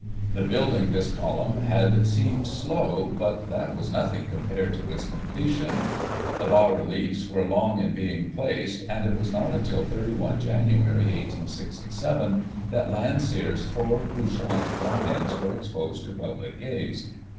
The building this column had seemed slow, but that was nothing compared to its completion ; the bas reliefs were long in being placed, and it was not till 31 Jan., 1867, that Landseer's four couchant lions were exposed to public gaze.